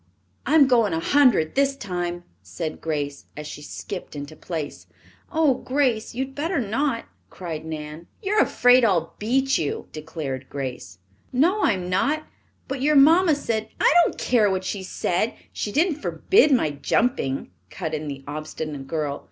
"I'm going a hundred this time," said Grace, as she skipped into place. "Oh, Grace, you had better not!" cried Nan. "You're afraid I'll beat you," declared Grace. "No, I'm not. But your mamma said " "I don't care what she said. She didn't forbid my jumping," cut in the obstinate girl.